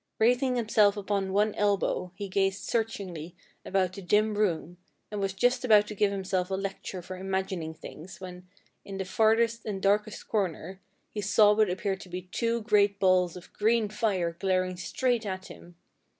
Raising himself upon one elbow, he gazed searchingly about the dim room, and was just about to give himself a lecture for imagining things, when, in the farthest and darkest corner, he saw what appeared to be two great balls of green fire glaring straight at him.